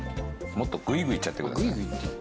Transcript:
もっとグイグイいっちゃってください。